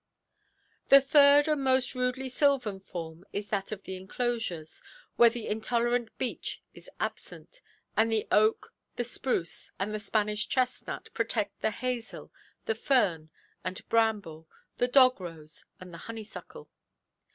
The third and most rudely sylvan form is that of the enclosures, where the intolerant beech is absent, and the oak, the spruce, and the Spanish chestnut protect the hazel, the fern and bramble, the dog–rose and the honeysuckle.